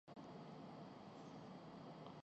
state Bank نےمنی market کو ارب روپے فراہم کردیے